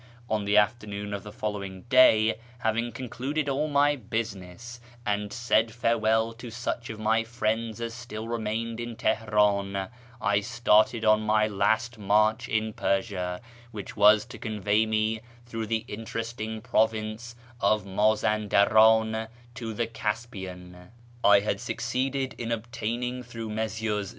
On the afternoon of the following day, having concluded all my business, and said farewell to such of my friends as still remained in Teheran, I started on my last march in Persia, which was to convey me through the interesting province of Mazandaran to the Caspian. I had succeeded in obtaining through Messrs.